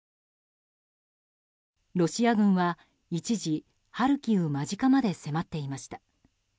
ロシア軍は、一時ハルキウ間近まで迫っていました。